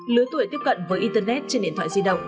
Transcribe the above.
lứa tuổi tiếp cận với internet trên điện thoại di động